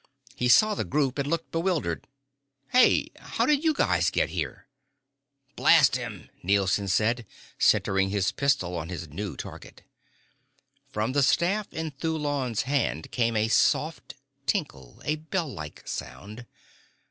He saw the group and looked bewildered. "Hey! How did you guys get here?" "Blast him!" Nielson said, centering his pistol on this new target. From the staff in Thulon's hand came a soft tinkle, a bell like sound.